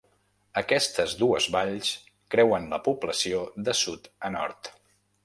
Aquestes dues valls creuen la població de sud a nord.